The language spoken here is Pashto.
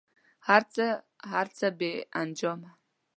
هر څه، هر څه بې انجامه